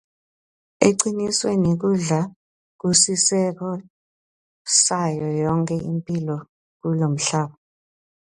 Ecinisweni kudla kusisekelo sayo yonkhe imphilo kulomhlaba.